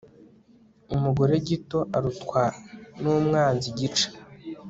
umugore gito arutwa n'umwanzi gica